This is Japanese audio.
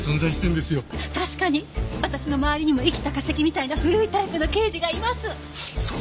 確かに私の周りにも生きた化石みたいな古いタイプの刑事がいます！